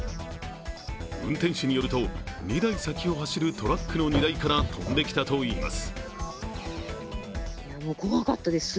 運転手によると、２台先を走るトラックの荷台から飛んできたといいます。